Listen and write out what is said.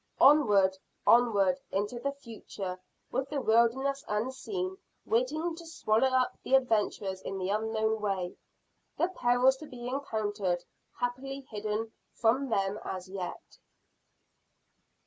Onward, onward into the future, with the wilderness unseen waiting to swallow up the adventurers in the unknown way the perils to be encountered happily hidden from them as yet.